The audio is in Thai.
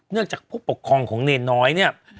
เนื่องจากพวกปกครองของเนรน้อยเนี่ย